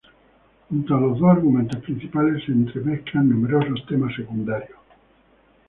Junto a los dos argumentos principales se entremezclan numerosos temas secundarios.